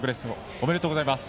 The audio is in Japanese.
おめでとうございます。